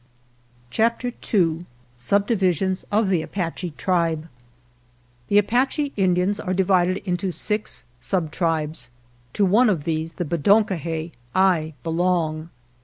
11 CHAPTER II SUBDIVISIONS OF THE APACHE TRIBE THE Apache Indians are divided into six sub tribes. To one of these, the Be don ko he, I belong.